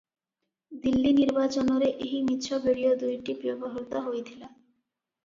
ଦିଲ୍ଲୀ ନିର୍ବାଚନରେ ଏହି ମିଛ ଭିଡ଼ିଓ ଦୁଇଟି ବ୍ୟବହୃତ ହୋଇଥିଲା ।